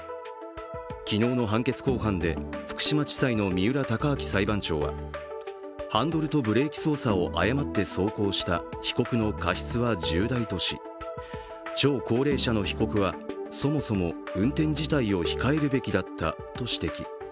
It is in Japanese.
昨日の判決公判で福島地裁の三浦隆昭裁判長はハンドルとブレーキ操作を誤って走行した被告の過失は重大だとし超高齢者の被告はそもそも運転自体を控えるべきだったと指摘。